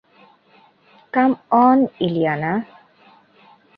Come on, Ileana?